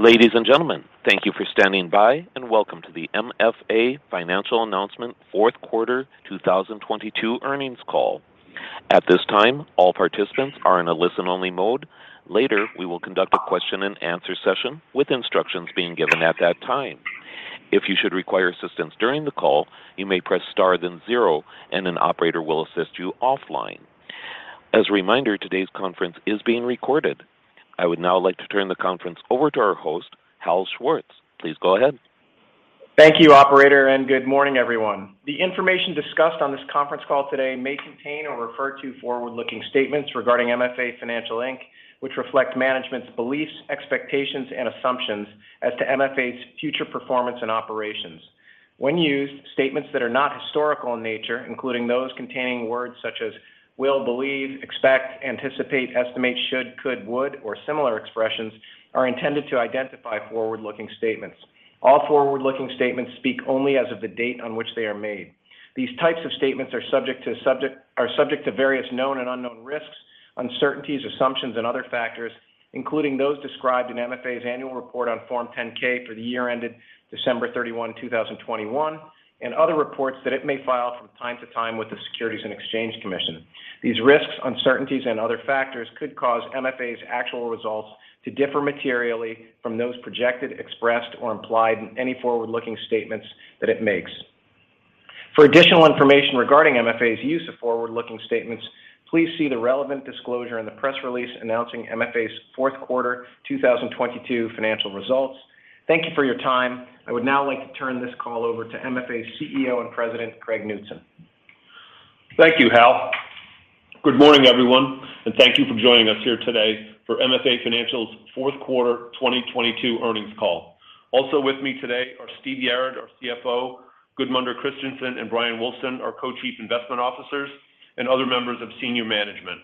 Ladies and gentlemen, thank you for standing by, and welcome to the MFA Financial Announcement Fourth Quarter 2022 earnings call. At this time, all participants are in a listen-only mode. Later, we will conduct a question-and-answer session, with instructions being given at that time. If you should require assistance during the call, you may press star then zero, and an operator will assist you offline. As a reminder, today's conference is being recorded. I would now like to turn the conference over to our host, Harold Schwartz. Please go ahead. Thank you, operator. Good morning, everyone. The information discussed on this conference call today may contain or refer to forward-looking statements regarding MFA Financial, Inc., which reflect management's beliefs, expectations, and assumptions as to MFA's future performance and operations. When used, statements that are not historical in nature, including those containing words such as will, believe, expect, anticipate, estimate, should, could, would, or similar expressions, are intended to identify forward-looking statements. All forward-looking statements speak only as of the date on which they are made. These types of statements are subject to various known and unknown risks, uncertainties, assumptions, and other factors, including those described in MFA's annual report on Form 10-K for the year ended December 31, 2021, and other reports that it may file from time to time with the Securities and Exchange Commission. These risks, uncertainties, and other factors could cause MFA's actual results to differ materially from those projected, expressed, or implied in any forward-looking statements that it makes. For additional information regarding MFA's use of forward-looking statements, please see the relevant disclosure in the press release announcing MFA's fourth quarter 2022 financial results. Thank you for your time. I would now like to turn this call over to MFA's CEO and President, Craig Knutson. Thank you, Hal. Good morning, everyone, thank you for joining us here today for MFA Financial's fourth quarter 2022 earnings call. Also with me today are Stephen Yarad, our CFO, Gudmundur Kristjansson and Bryan Wulfsohn, our Co-Chief Investment Officers, and other members of senior management.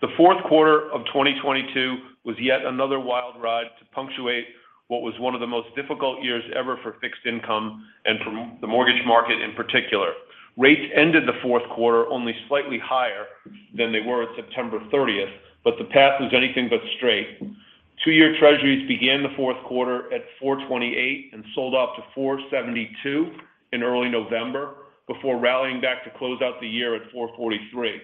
The fourth quarter of 2022 was yet another wild ride to punctuate what was one of the most difficult years ever for fixed income and for the mortgage market in particular. Rates ended the fourth quarter only slightly higher than they were at September thirtieth, the path was anything but straight. Two-year Treasuries began the fourth quarter at 4.28% and sold off to 4.72% in early November before rallying back to close out the year at 4.43%.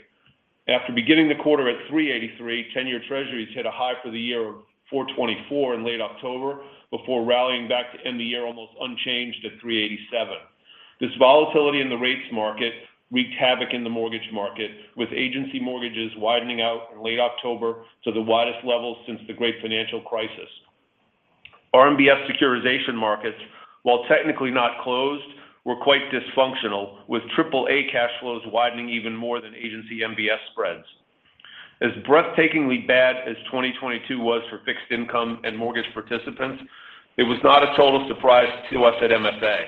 After beginning the quarter at 3.83%, 10-year treasuries hit a high for the year of 4.24% in late October before rallying back to end the year almost unchanged at 3.87%. This volatility in the rates market wreaked havoc in the mortgage market, with agency mortgages widening out in late October to the widest levels since the great financial crisis. RMBS securitization markets, while technically not closed, were quite dysfunctional, with AAA cash flows widening even more than agency MBS spreads. As breathtakingly bad as 2022 was for fixed income and mortgage participants, it was not a total surprise to us at MFA.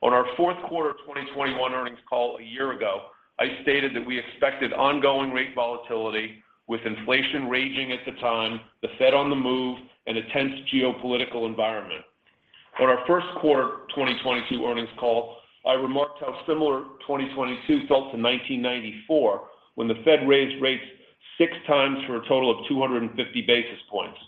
On our 4th quarter of 2021 earnings call a year ago, I stated that we expected ongoing rate volatility with inflation raging at the time, the Fed on the move, and a tense geopolitical environment. On our first quarter 2022 earnings call, I remarked how similar 2022 felt to 1994 when the Fed raised rates 6x for a total of 250 basis points.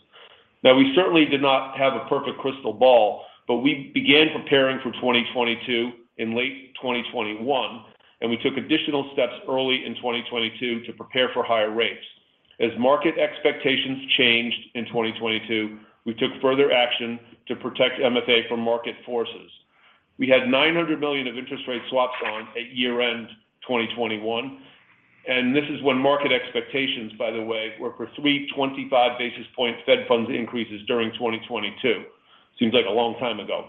Now we certainly did not have a perfect crystal ball, but we began preparing for 2022 in late 2021, and we took additional steps early in 2022 to prepare for higher rates. As market expectations changed in 2022, we took further action to protect MFA from market forces. We had $900 million of interest rate swaps on at year-end 2021, and this is when market expectations, by the way, were for 325 basis points Fed funds increases during 2022. Seems like a long time ago.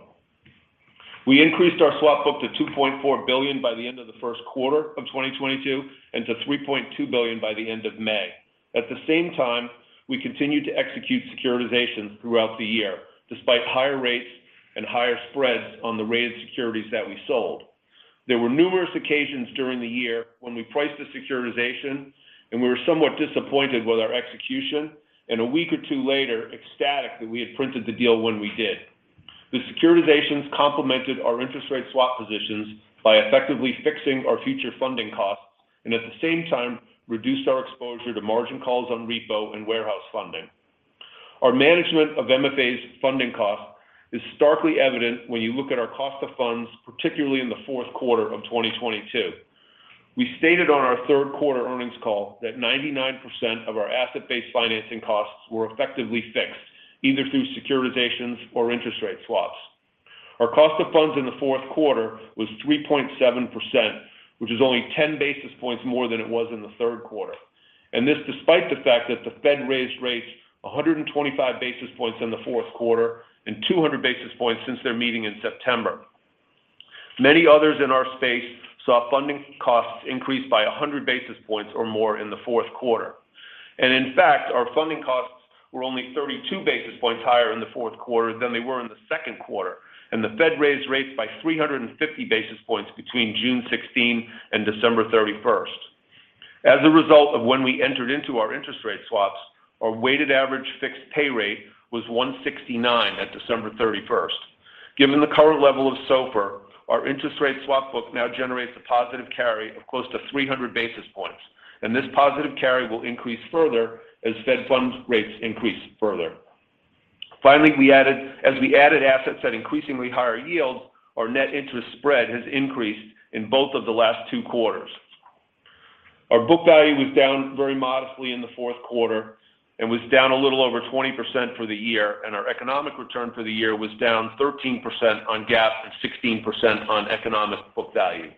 We increased our swap book to $2.4 billion by the end of the first quarter of 2022 and to $3.2 billion by the end of May. At the same time, we continued to execute securitizations throughout the year, despite higher rates and higher spreads on the rated securities that we sold. There were numerous occasions during the year when we priced a securitization, and we were somewhat disappointed with our execution, and a week or two later, ecstatic that we had printed the deal when we did. The securitizations complemented our interest rate swap positions by effectively fixing our future funding costs and at the same time reduced our exposure to margin calls on repo and warehouse funding. Our management of MFA's funding costs is starkly evident when you look at our cost of funds, particularly in the fourth quarter of 2022. We stated on our third quarter earnings call that 99% of our asset-based financing costs were effectively fixed, either through securitizations or interest rate swaps. Our cost of funds in the fourth quarter was 3.7%, which is only 10 basis points more than it was in the third quarter. This despite the fact that the Fed raised rates 125 basis points in the fourth quarter and 200 basis points since their meeting in September. Many others in our space saw funding costs increase by 100 basis points or more in the fourth quarter. In fact, our funding costs were only 32 basis points higher in the fourth quarter than they were in the second quarter, and the Fed raised rates by 350 basis points between June 16 and December 31st. As a result of when we entered into our interest rate swaps, our weighted average fixed pay rate was 169 at December 31st. Given the current level of SOFR, our interest rate swap book now generates a positive carry of close to 300 basis points, and this positive carry will increase further as fed funds rates increase further. Finally, as we added assets at increasingly higher yields, our net interest spread has increased in both of the last two quarters. Our book value was down very modestly in the fourth quarter and was down a little over 20% for the year, and our economic return for the year was down 13% on GAAP and 16% on economic book value.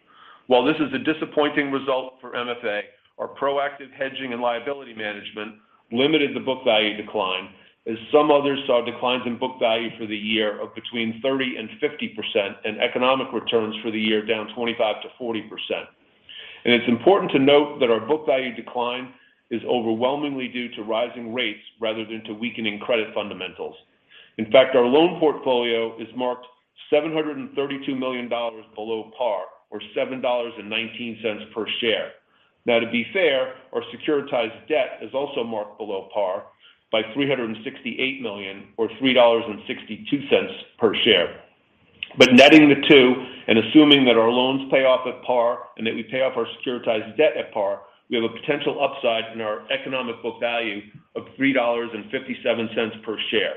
While this is a disappointing result for MFA, our proactive hedging and liability management limited the book value decline as some others saw declines in book value for the year of between 30%-50% and economic returns for the year down 25%-40%. It's important to note that our book value decline is overwhelmingly due to rising rates rather than to weakening credit fundamentals. In fact, our loan portfolio is marked $732 million below par or $7.19 per share. Now to be fair, our securitized debt is also marked below par by $368 million or $3.62 per share. Netting the two and assuming that our loans pay off at par and that we pay off our securitized debt at par, we have a potential upside in our economic book value of $3.57 per share.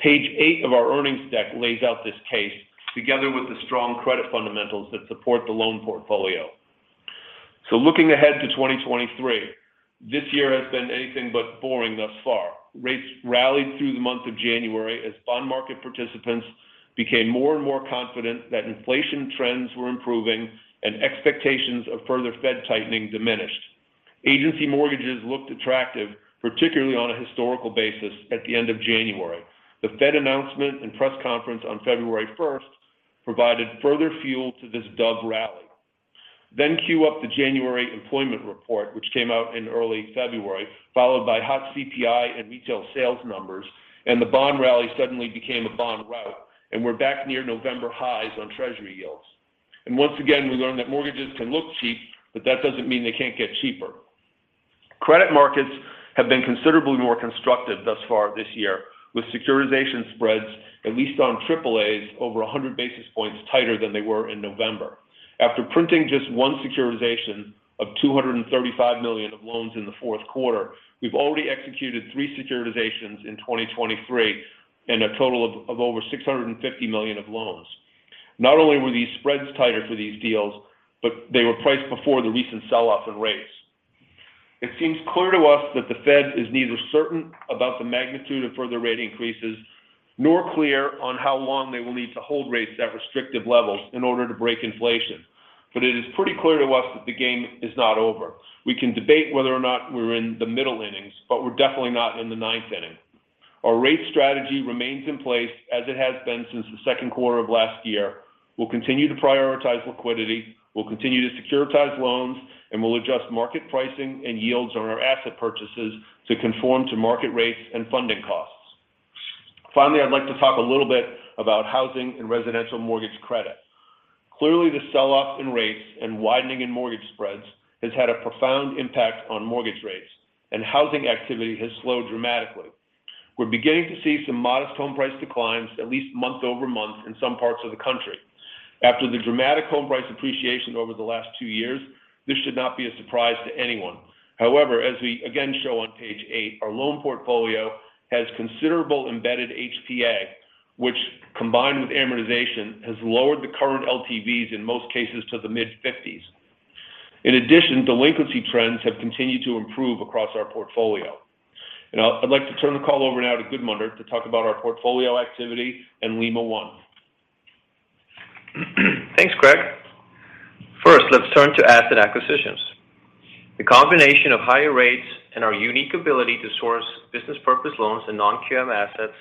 Page eight of our earnings deck lays out this case together with the strong credit fundamentals that support the loan portfolio. Looking ahead to 2023, this year has been anything but boring thus far. Rates rallied through the month of January as bond market participants became more and more confident that inflation trends were improving and expectations of further Fed tightening diminished. Agency mortgages looked attractive, particularly on a historical basis at the end of January. The Fed announcement and press conference on February 1 provided further fuel to this dove rally. Cue up the January employment report, which came out in early February, followed by hot CPI and retail sales numbers. The bond rally suddenly became a bond rout. We're back near November highs on Treasury yields. Once again, we learned that mortgages can look cheap, but that doesn't mean they can't get cheaper. Credit markets have been considerably more constructive thus far this year, with securitization spreads, at least on AAAs over 100 basis points tighter than they were in November. After printing just one securitization of $235 million of loans in the fourth quarter, we've already executed three securitizations in 2023 and a total of over $650 million of loans. Not only were these spreads tighter for these deals, but they were priced before the recent sell-off in rates. It seems clear to us that the Fed is neither certain about the magnitude of further rate increases, nor clear on how long they will need to hold rates at restrictive levels in order to break inflation. It is pretty clear to us that the game is not over. We can debate whether or not we're in the middle innings, but we're definitely not in the ninth inning. Our rate strategy remains in place as it has been since the second quarter of last year. We'll continue to prioritize liquidity. We'll continue to securitize loans, and we'll adjust market pricing and yields on our asset purchases to conform to market rates and funding costs. Finally, I'd like to talk a little bit about housing and residential mortgage credit. Clearly, the sell-off in rates and widening in mortgage spreads has had a profound impact on mortgage rates, and housing activity has slowed dramatically. We're beginning to see some modest home price declines at least month-over-month in some parts of the country. After the dramatic home price appreciation over the last two years, this should not be a surprise to anyone. However, as we again show on page eight, our loan portfolio has considerable embedded HPA, which, combined with amortization, has lowered the current LTVs in most cases to the mid-50s. In addition, delinquency trends have continued to improve across our portfolio. Now, I'd like to turn the call over now to Gudmundur to talk about our portfolio activity and Lima One. Thanks, Greg. First, let's turn to asset acquisitions. The combination of higher rates and our unique ability to source business purpose loans and non-QM assets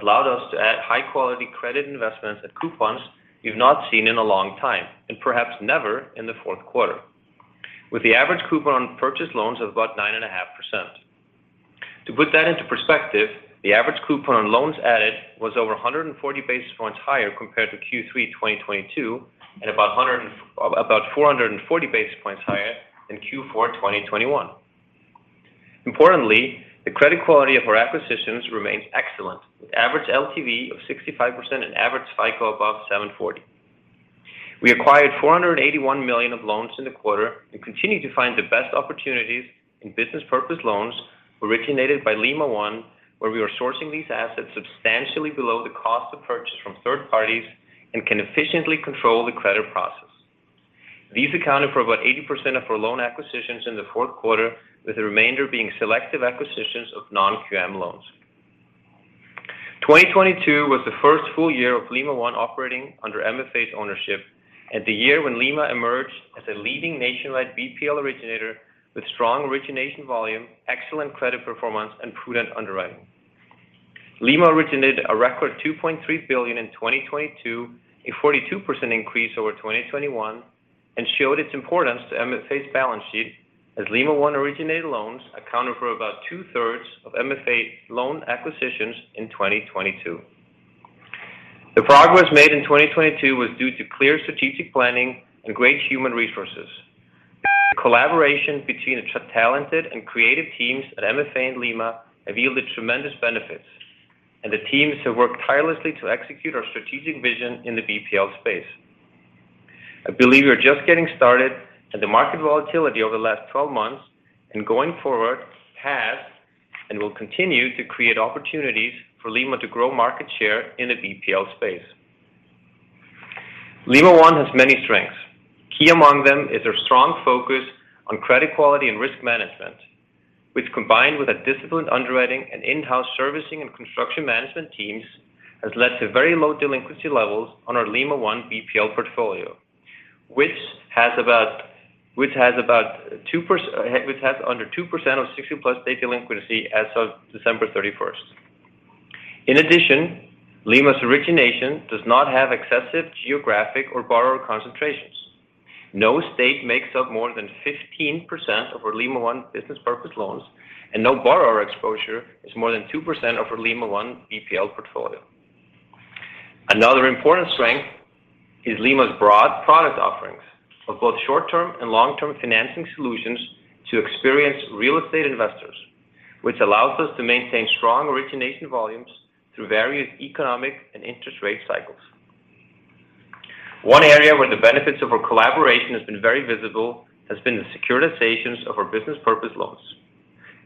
allowed us to add high-quality credit investments at coupons we've not seen in a long time, and perhaps never in the fourth quarter. With the average coupon purchased loans of about 9.5%. To put that into perspective, the average coupon on loans added was over 140 basis points higher compared to Q3 2022 and about 440 basis points higher than Q4 2021. Importantly, the credit quality of our acquisitions remains excellent with average LTV of 65% and average FICO above 740. We acquired $481 million of loans in the quarter and continue to find the best opportunities in business purpose loans originated by Lima One, where we are sourcing these assets substantially below the cost of purchase from third parties and can efficiently control the credit process. These accounted for about 80% of our loan acquisitions in the fourth quarter, with the remainder being selective acquisitions of non-QM loans. 2022 was the first full year of Lima One operating under MFA's ownership and the year when Lima emerged as a leading nationwide BPL originator with strong origination volume, excellent credit performance, and prudent underwriting. Lima originated a record $2.3 billion in 2022, a 42% increase over 2021, and showed its importance to MFA's balance sheet as Lima One originated loans accounted for about two-thirds of MFA loan acquisitions in 2022. The progress made in 2022 was due to clear strategic planning and great human resources. The collaboration between the talented and creative teams at MFA and Lima One have yielded tremendous benefits, and the teams have worked tirelessly to execute our strategic vision in the BPL space. I believe we are just getting started, and the market volatility over the last 12 months and going forward has and will continue to create opportunities for Lima One to grow market share in the BPL space. Lima One has many strengths. Key among them is their strong focus on credit quality and risk management, which combined with a disciplined underwriting and in-house servicing and construction management teams, has led to very low delinquency levels on our Lima One BPL portfolio, which has under 2% of 60-plus day delinquency as of December 31st. In addition, Lima's origination does not have excessive geographic or borrower concentrations. No state makes up more than 15% of our Lima One business purpose loans, and no borrower exposure is more than 2% of our Lima One BPL portfolio. Another important strength is Lima's broad product offerings of both short-term and long-term financing solutions to experience real estate investors, which allows us to maintain strong origination volumes through various economic and interest rate cycles. One area where the benefits of our collaboration has been very visible has been the securitizations of our business purpose loans.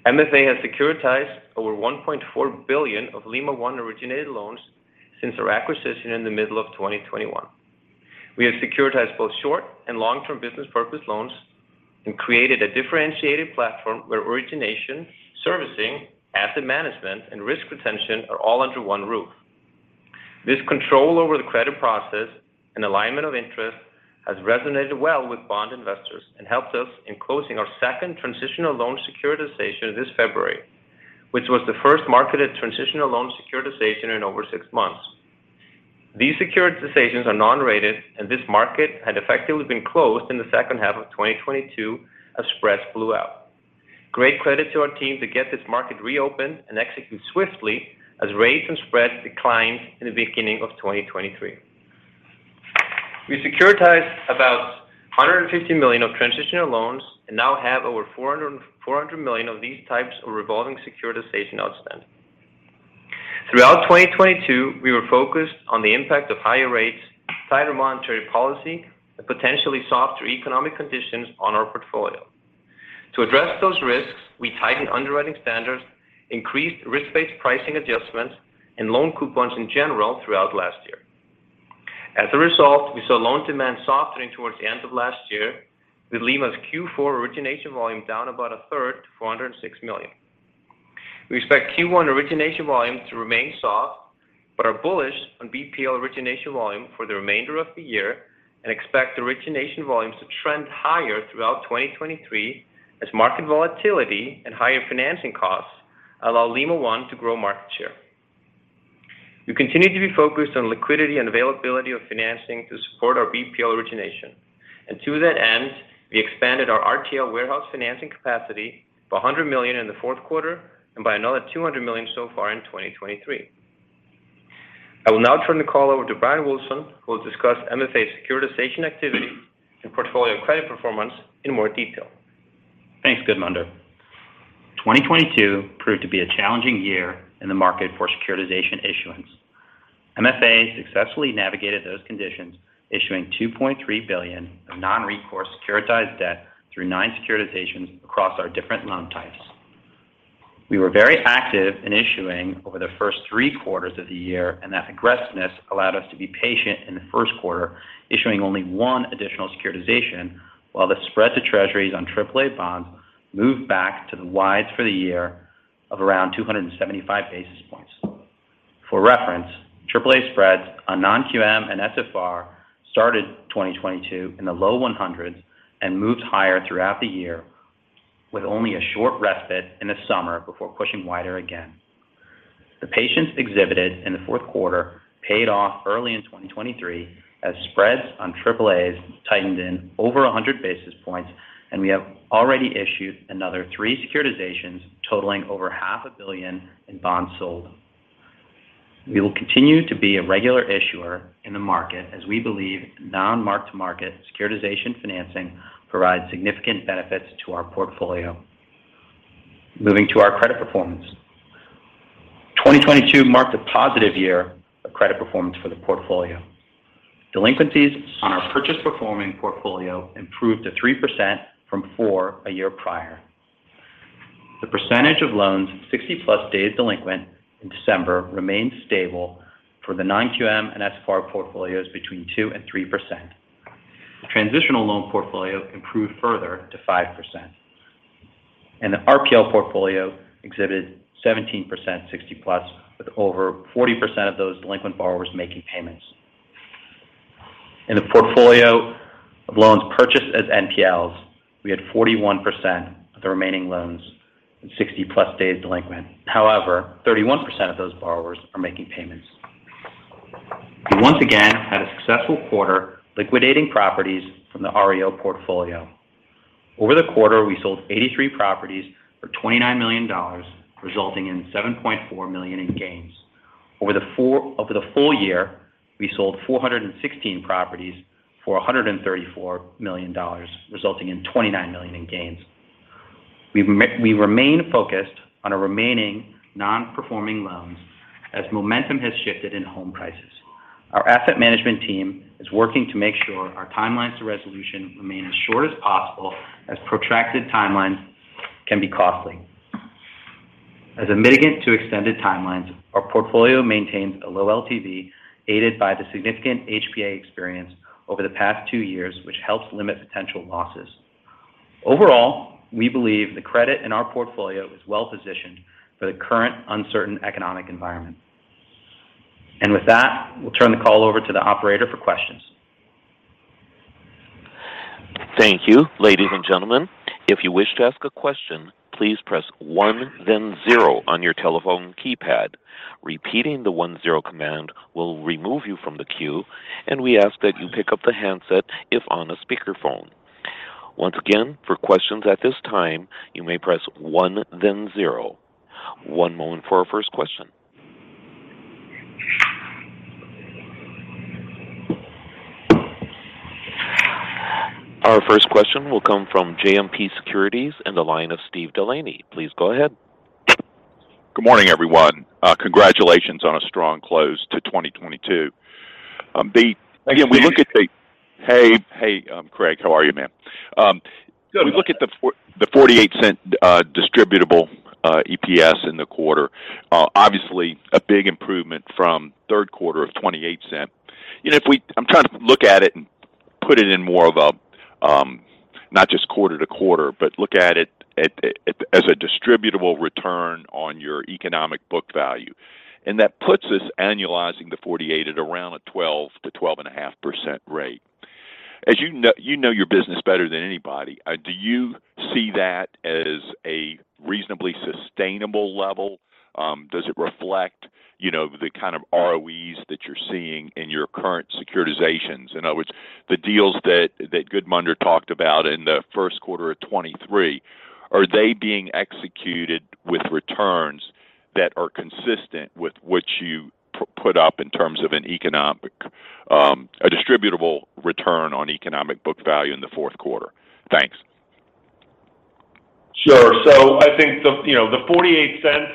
MFA has securitized over $1.4 billion of Lima One originated loans since our acquisition in the middle of 2021. We have securitized both short and long-term business purpose loans and created a differentiated platform where origination, servicing, asset management, and risk retention are all under one roof. This control over the credit process and alignment of interest has resonated well with bond investors and helped us in closing our second transitional loan securitization this February, which was the first marketed transitional loan securitization in over six months. These securitizations are non-rated. This market had effectively been closed in the second half of 2022 as spreads blew out. Great credit to our team to get this market reopened and execute swiftly as rates and spreads declined in the beginning of 2023. We securitized about $150 million of transitional loans and now have over $400 million of these types of revolving securitization outstanding. Throughout 2022, we were focused on the impact of higher rates, tighter monetary policy, and potentially softer economic conditions on our portfolio. To address those risks, we tightened underwriting standards, increased risk-based pricing adjustments, and loan coupons in general throughout last year. As a result, we saw loan demand softening towards the end of last year with Lima's Q4 origination volume down about a third to $406 million. We expect Q1 origination volume to remain soft, but are bullish on BPL origination volume for the remainder of the year and expect origination volumes to trend higher throughout 2023 as market volatility and higher financing costs allow Lima One to grow market share. We continue to be focused on liquidity and availability of financing to support our BPL origination. To that end, we expanded our RTL warehouse financing capacity by $100 million in the fourth quarter and by another $200 million so far in 2023. I will now turn the call over to Bryan Wulfsohn, who will discuss MFA's securitization activity and portfolio credit performance in more detail. Thanks, Gudmundur. 2022 proved to be a challenging year in the market for securitization issuance. MFA successfully navigated those conditions, issuing $2.3 billion of non-recourse securitized debt through nine securitizations across our different loan types. We were very active in issuing over the first three quarters of the year. That aggressiveness allowed us to be patient in the first quarter, issuing only one additional securitization while the spread to Treasuries on AAA bonds moved back to the wides for the year of around 275 basis points. For reference, AAA spreads on non-QM and SFR started 2022 in the low one hundreds and moved higher throughout the year with only a short respite in the summer before pushing wider again. The patience exhibited in the fourth quarter paid off early in 2023 as spreads on AAA tightened in over 100 basis points. We have already issued another three securitizations totaling over $half a billion in bonds sold. We will continue to be a regular issuer in the market as we believe non-mark-to-market securitization financing provides significant benefits to our portfolio. Moving to our credit performance. 2022 marked a positive year of credit performance for the portfolio. Delinquencies on our purchase performing portfolio improved to 3% from four a year prior. The percentage of loans 60-plus days delinquent in December remained stable for the non-QM and SFR portfolios between 2% and 3%. The transitional loan portfolio improved further to 5%. The RPL portfolio exhibited 17% 60-plus, with over 40% of those delinquent borrowers making payments. In the portfolio of loans purchased as NPLs, we had 41% of the remaining loans and 60-plus days delinquent. 31% of those borrowers are making payments. We once again had a successful quarter liquidating properties from the REO portfolio. Over the quarter, we sold 83 properties for $29 million, resulting in $7.4 million in gains. Over the full year, we sold 416 properties for $134 million, resulting in $29 million in gains. We remain focused on our remaining non-performing loans as momentum has shifted in home prices. Our asset management team is working to make sure our timelines to resolution remain as short as possible as protracted timelines can be costly. As a mitigant to extended timelines, our portfolio maintains a low LTV, aided by the significant HPA experience over the past two years, which helps limit potential losses. Overall, we believe the credit in our portfolio is well-positioned for the current uncertain economic environment. With that, we'll turn the call over to the operator for questions. Thank you. Ladies and gentlemen, if you wish to ask a question, please press one, then zero on your telephone keypad. Repeating the one zero command will remove you from the queue, and we ask that you pick up the handset if on a speakerphone. Once again, for questions at this time, you may press one then zero. One moment for our first question. Our first question will come from JMP Securities and the line of Steve DeLaney. Please go ahead. Good morning, everyone. Congratulations on a strong close to 2022. Thank you. Hey, Craig. How are you, man? Good. We look at the $0.48 distributable EPS in the quarter. Obviously, a big improvement from third quarter of $0.28. You know, I'm trying to look at it and put it in more of a not just quarter to quarter, but look at it as a distributable return on your economic book value. That puts us annualizing the 48 at around a 12% to 12.5% rate. As you know your business better than anybody, do you see that as a reasonably sustainable level? Does it reflect, you know, the kind of ROEs that you're seeing in your current securitizations? In other words, the deals that Gudmundur talked about in the first quarter of 2023, are they being executed with returns that are consistent with what you put up in terms of an economic, a distributable return on economic book value in the fourth quarter? Thanks. Sure. I think the, you know, the $0.48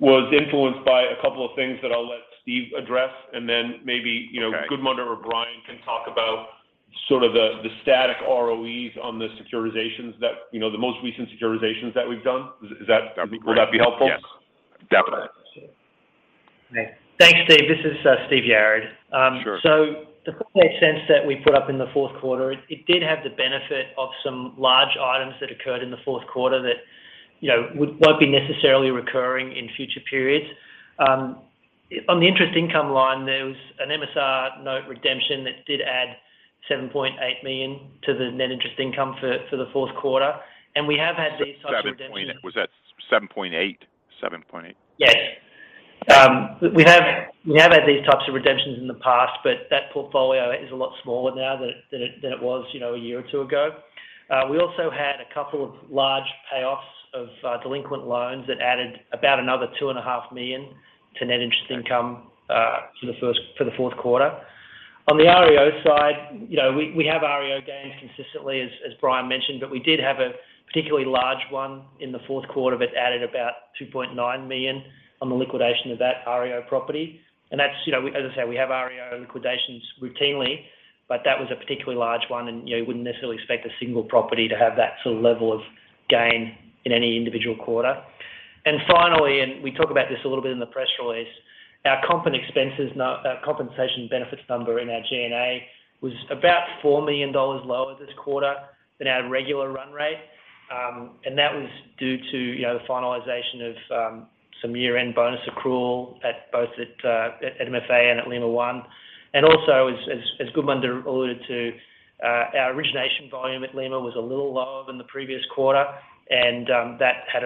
was influenced by a couple of things that I'll let Steve address, and then maybe Gudmundur or Brian can talk about sort of the static ROEs on the securitizations that, you know, the most recent securitizations that we've done. That'd be great. Would that be helpful? Yes. Definitely. Thanks, Steve. This is Steve Yarad. Sure. The $0.48 that we put up in the fourth quarter, it did have the benefit of some large items that occurred in the fourth quarter that, you know, won't be necessarily recurring in future periods. On the interest income line, there was an MSR note redemption that did add $7.8 million to the net interest income for the fourth quarter. We have had these types of redemptions- Was that 7.8? 7.8. Yes. We have had these types of redemptions in the past, but that portfolio is a lot smaller now than it was, you know, a year or two ago. We also had a couple of large payoffs of delinquent loans that added about another $2.5 million to net interest income for the fourth quarter. On the REO side, you know, we have REO gains consistently as Bryan Wulfsohn mentioned, but we did have a particularly large one in the fourth quarter that added about $2.9 million on the liquidation of that REO property. That's, you know, as I say, we have REO liquidations routinely, but that was a particularly large one and, you know, you wouldn't necessarily expect a single property to have that sort of level of gain in any individual quarter. Finally, we talk about this a little bit in the press release, our compensation benefits number in our G&A was about $4 million lower this quarter than our regular run rate. That was due to, you know, the finalization of some year-end bonus accrual at both at MFA and at Lima One. Also, as Gudmundur alluded to, our origination volume at Lima was a little lower than the previous quarter, that had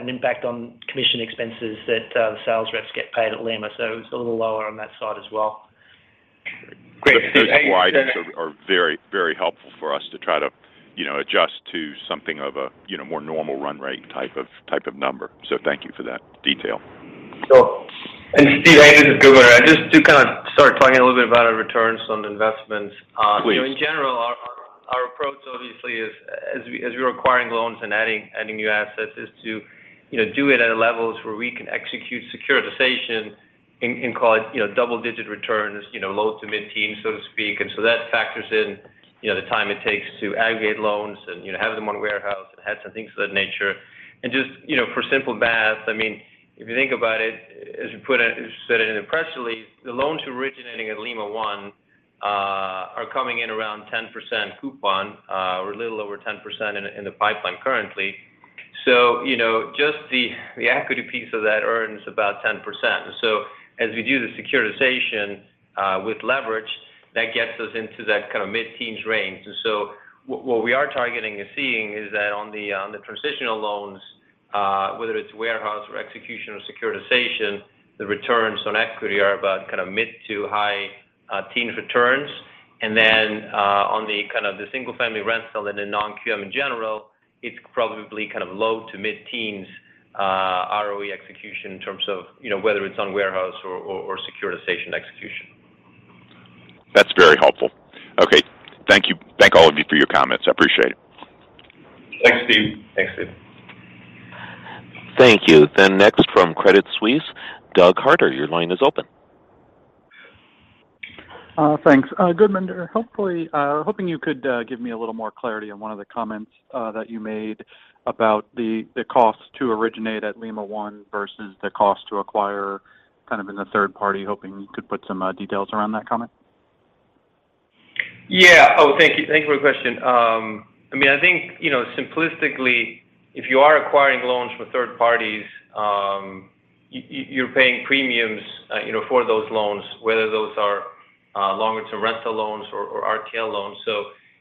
an impact on commission expenses that the sales reps get paid at Lima. It was a little lower on that side as well. Great. Those guidelines are very helpful for us to try to, you know, adjust to something of a, you know, more normal run rate type of number. Thank you for that detail. Sure. Steve, hey, this is Gudmundur. Just to kind of start talking a little bit about our returns on investments. Please. You know, in general, our approach obviously is as we're acquiring loans and adding new assets is to do it at a level where we can execute securitization and call it double-digit returns, low to mid-teen, so to speak. That factors in the time it takes to aggregate loans and have them on warehouse and have some things of that nature. Just, for simple math, I mean, if you think about it, as you put it, as you said it in the press release, the loans originating at Lima One are coming in around 10% coupon, or a little over 10% in the pipeline currently. Just the equity piece of that earns about 10%. As we do the securitization, with leverage, that gets us into that kind of mid-teens range. What we are targeting and seeing is that on the transitional loans, whether it's warehouse or execution or securitization, the returns on equity are about kind of mid to high teens returns. Then, on the kind of the single-family rental and the non-QM in general, it's probably kind of low to mid-teens, ROE execution in terms of, you know, whether it's on warehouse or securitization execution. That's very helpful. Okay. Thank you. Thank all of you for your comments. I appreciate it. Thanks, Steve. Thanks, Steve. Thank you. Next from Credit Suisse, Doug Harter, your line is open. Thanks. Gudmundur, hoping you could give me a little more clarity on one of the comments that you made about the cost to originate at Lima One versus the cost to acquire kind of in the third party. Hoping you could put some details around that comment. Yeah. Oh, thank you. Thank you for the question. I mean, I think, you know, simplistically, if you are acquiring loans from third parties, you're paying premiums, you know, for those loans, whether those are longer-term rental loans or RTL loans.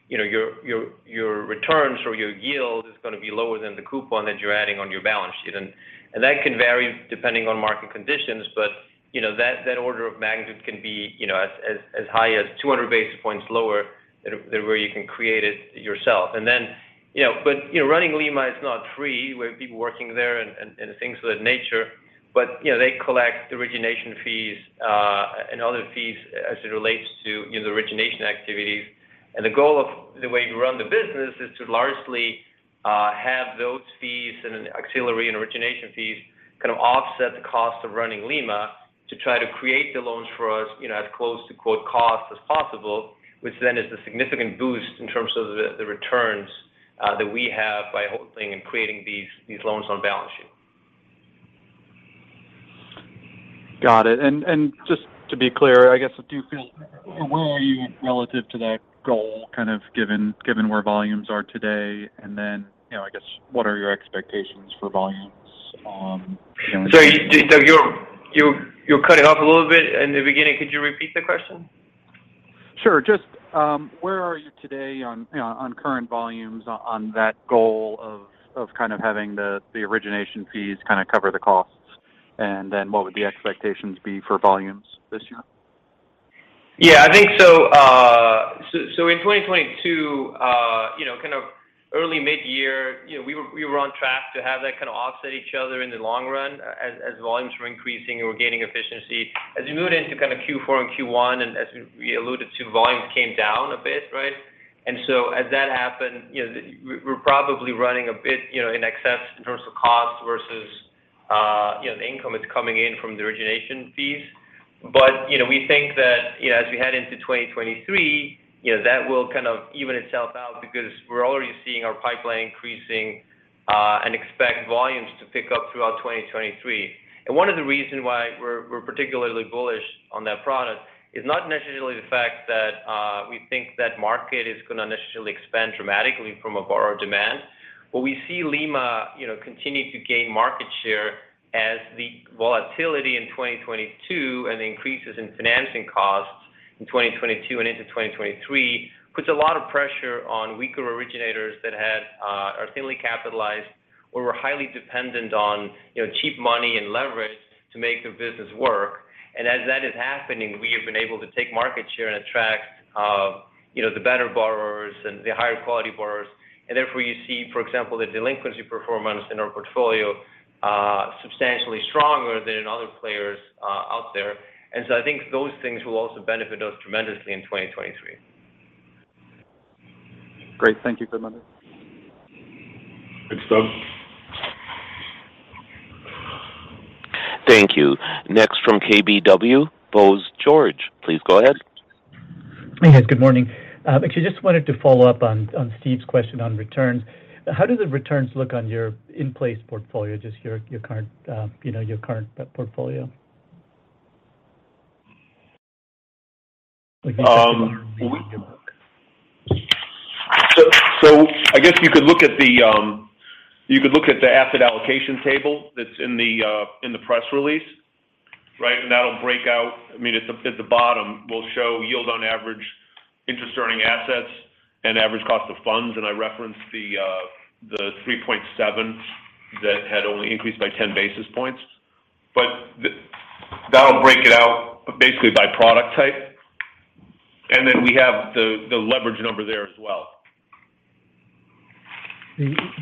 You know, your returns or your yield is gonna be lower than the coupon that you're adding on your balance sheet. And that can vary depending on market conditions, but, you know, that order of magnitude can be, you know, as high as 200 basis points lower than where you can create it yourself. You know, running Lima is not free. We have people working there and things of that nature. You know, they collect origination fees, and other fees as it relates to, you know, the origination activities. The goal of the way you run the business is to largely have those fees and then auxiliary and origination fees kind of offset the cost of running Lima to try to create the loans for us, you know, as close to, quote, cost as possible, which then is a significant boost in terms of the returns that we have by holding and creating these loans on balance sheet. Got it. Just to be clear, I guess, where are you relative to that goal, kind of given where volumes are today? You know, I guess, what are your expectations for volumes, you know? You cut it off a little bit in the beginning. Could you repeat the question? Sure. Just, where are you today on, you know, on current volumes on that goal of kind of having the origination fees kinda cover the costs? What would the expectations be for volumes this year? Yeah, I think so, in 2022, you know, kind of early mid-year, you know, we were on track to have that kind of offset each other in the long run as volumes were increasing and we're gaining efficiency. As we moved into kind of Q4 and Q1, and as we alluded to, volumes came down a bit, right? As that happened, you know, we're probably running a bit, you know, in excess in terms of cost versus, you know, the income that's coming in from the origination fees. We think that, you know, as we head into 2023, you know, that will kind of even itself out because we're already seeing our pipeline increasing, and expect volumes to pick up throughout 2023. One of the reason why we're particularly bullish on that product is not necessarily the fact that we think that market is gonna necessarily expand dramatically from a borrower demand. What we see Lima, you know, continue to gain market share as the volatility in 2022 and increases in financing costs in 2022 and into 2023 puts a lot of pressure on weaker originators that are thinly capitalized or were highly dependent on, you know, cheap money and leverage to make the business work. As that is happening, we have been able to take market share and attract, you know, the better borrowers and the higher quality borrowers. Therefore, you see, for example, the delinquency performance in our portfolio, substantially stronger than in other players out there. I think those things will also benefit us tremendously in 2023. Great. Thank you, Gudmundur. Thanks, Doug. Thank you. Next from KBW, Bose George. Please go ahead. Yes, good morning. Actually just wanted to follow up on Steve's question on returns. How do the returns look on your in-place portfolio, just your current, you know, your current portfolio? Like you said before… I guess you could look at the asset allocation table that's in the press release, right? That'll break out. I mean, it's at the bottom will show yield on average interest earning assets and average cost of funds. I referenced the 3.7 that had only increased by 10 basis points. That'll break it out basically by product type. Then we have the leverage number there as well.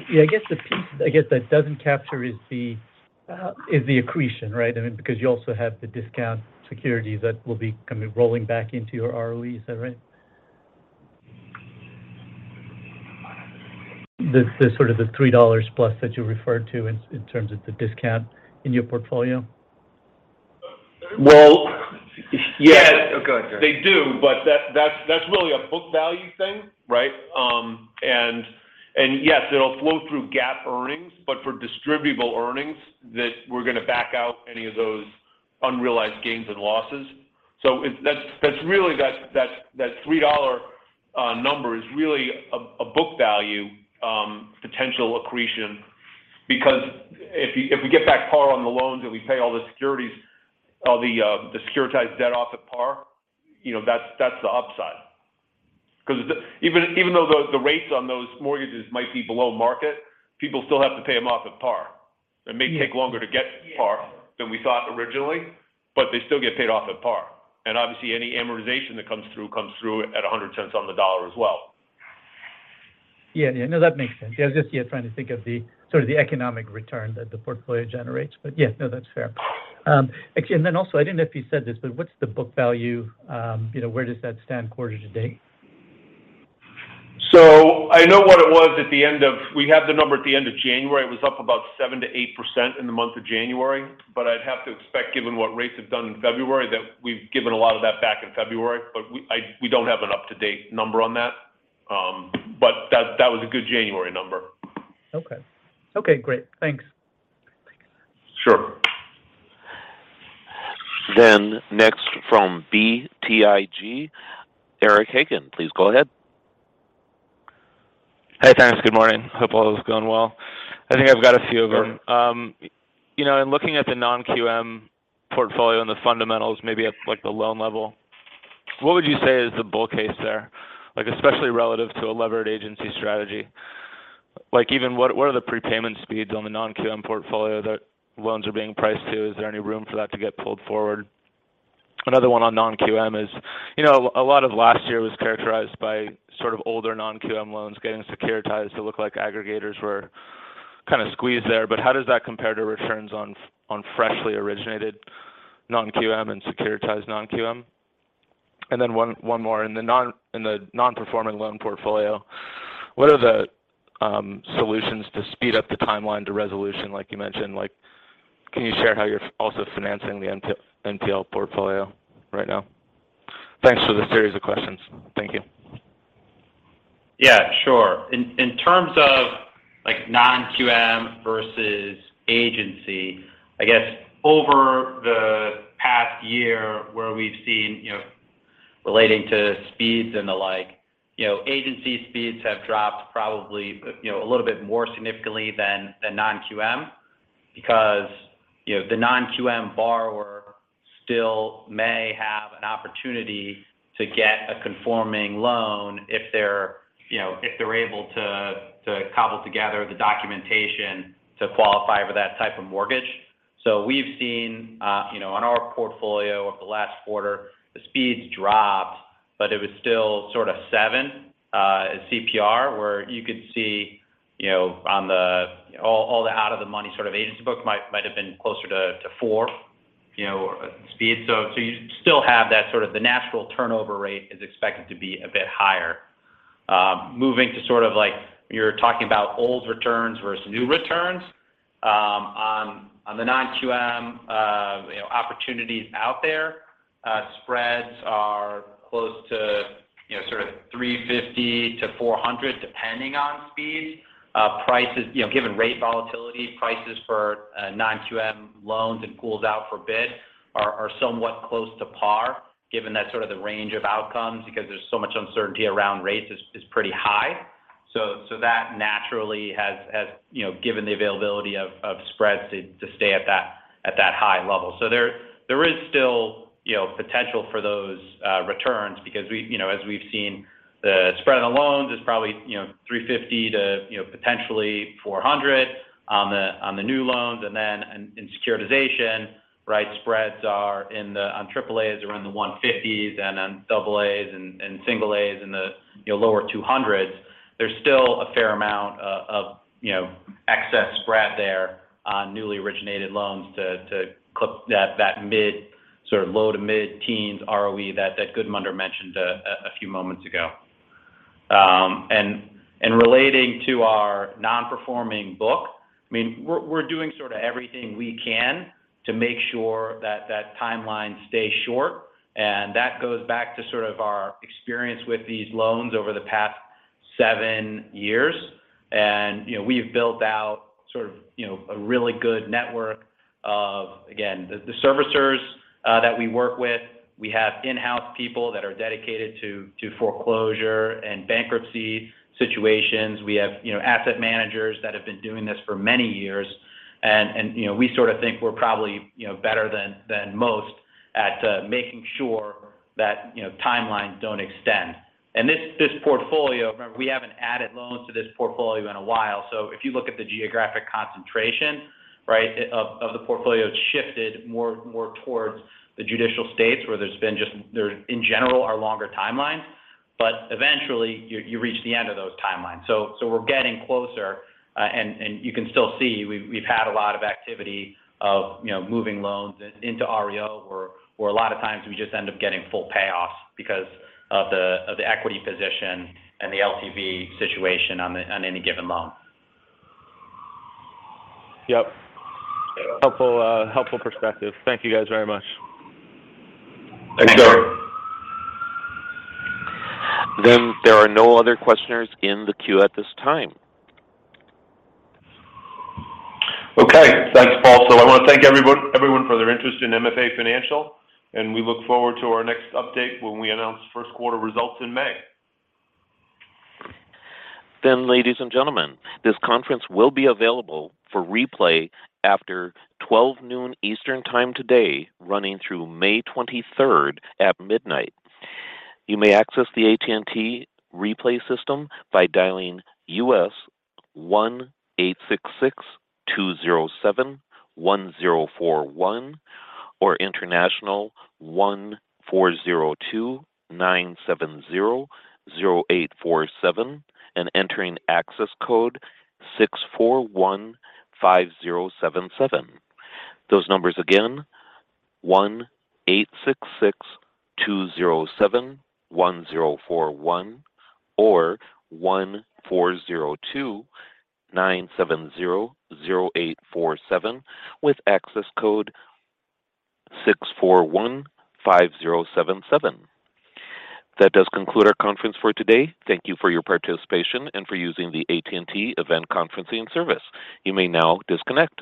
Yeah, I guess the piece, I guess, that doesn't capture is the accretion, right? I mean, because you also have the discount security that will be kind of rolling back into your ROE. Is that right? The sort of the $3 plus that you referred to in terms of the discount in your portfolio. Well, yeah. Oh, go ahead. They do, but that's really a book value thing, right. Yes, it'll flow through GAAP earnings, but for distributable earnings that we're gonna back out any of those unrealized gains and losses. That's really that $3 number is really a book value potential accretion because if we get back par on the loans and we pay all the securities or the securitized debt off at par, you know, that's the upside. Even though the rates on those mortgages might be below market, people still have to pay them off at par. Yeah. It may take longer to get to par than we thought originally, but they still get paid off at par. Obviously any amortization that comes through, comes through at $1.00 as well. Yeah. Yeah. No, that makes sense. I was just, yeah, trying to think of the sort of the economic return that the portfolio generates. Yeah, no, that's fair. Actually, I didn't know if you said this, but what's the book value, you know, where does that stand quarter to date? We have the number at the end of January. It was up about 7%-8% in the month of January. I'd have to expect, given what rates have done in February, that we've given a lot of that back in February. We don't have an up-to-date number on that. That was a good January number. Okay. Okay, great. Thanks. Sure. Next from BTIG, Eric Hagen, please go ahead. Hey, thanks. Good morning. Hope all is going well. I think I've got a few of them. you know, in looking at the non-QM portfolio and the fundamentals maybe at like the loan level, what would you say is the bull case there? Like especially relative to a levered agency strategy. Like even what are the prepayment speeds on the non-QM portfolio that loans are being priced to? Is there any room for that to get pulled forward? Another one on non-QM is, you know, a lot of last year was characterized by sort of older non-QM loans getting securitized. It looked like aggregators were kind of squeezed there. How does that compare to returns on freshly originated non-QM and securitized non-QM? One more. In the non-performing loan portfolio, what are the solutions to speed up the timeline to resolution like you mentioned? Can you share how you're also financing the NPL portfolio right now? Thanks for the series of questions. Thank you. Yeah, sure. In terms of like non-QM versus agency, I guess over the past year where we've seen, you know, relating to speeds and the like, you know, agency speeds have dropped probably, you know, a little bit more significantly than non-QM. Because, you know, the non-QM borrower still may have an opportunity to get a conforming loan if they're, you know, if they're able to cobble together the documentation to qualify for that type of mortgage. We've seen, you know, on our portfolio over the last quarter, the speeds dropped, but it was still sort of 7 CPR, where you could see, you know, all the out of the money sort of agency book might have been closer to 4, you know, speed. So, so you still have that sort of the natural turnover rate is expected to be a bit higher. Um, moving to sort of like you're talking about old returns versus new returns. Um, on, on the non-QM, uh, you know, opportunities out there, uh, spreads are close to, you know, sort of three fifty to four hundred depending on speed. Uh, prices-- you know, given rate volatility, prices for, uh, non-QM loans and pools out for bid are, are somewhat close to par given that sort of the range of outcomes because there's so much uncertainty around rates is, is pretty high. So, so that naturally has, has, you know, given the availability of, of spreads to, to stay at that, at that high level. There is still, you know, potential for those returns because we, you know, as we've seen the spread on the loans is probably $350-$400 on the new loans. In securitization, right, spreads are on AAA's around the 150s and on AA's and single A's in the, you know, lower 200s. There's still a fair amount of, you know, excess spread there on newly originated loans to clip that mid sort of low to mid-teens ROE that Gudmundur mentioned a few moments ago. And relating to our non-performing book, I mean, we're doing sort of everything we can to make sure that timeline stays short. That goes back to sort of our experience with these loans over the past seven years. You know, we've built out sort of, you know, a really good network of, again, the servicers that we work with. We have in-house people that are dedicated to foreclosure and bankruptcy situations. We have, you know, asset managers that have been doing this for many years. And, you know, we sort of think we're probably, you know, better than most at making sure that, you know, timelines don't extend. This portfolio, remember we haven't added loans to this portfolio in a while. If you look at the geographic concentration, right, of the portfolio, it's shifted more towards the judicial states where there's been just there in general are longer timelines. Eventually you reach the end of those timelines. We're getting closer. And you can still see we've had a lot of activity of, you know, moving loans into REO where a lot of times we just end up getting full payoffs because of the equity position and the LTV situation on any given loan. Yep. Helpful, helpful perspective. Thank you guys very much. Thanks. There are no other questioners in the queue at this time. Okay. Thanks, Paul. I wanna thank everyone for their interest in MFA Financial, and we look forward to our next update when we announce first quarter results in May. Ladies and gentlemen, this conference will be available for replay after 12:00 P.M. Eastern Time today running through May 23rd at midnight. You may access the AT&T replay system by dialing U.S. 1-866-207-1041 or international 1-402-970-0847 and entering access code 6415077. Those numbers again 1-866-207-1041 or 1-402-970-0847 with access code 6415077. That does conclude our conference for today. Thank you for your participation and for using the AT&T event conferencing service. You may now disconnect.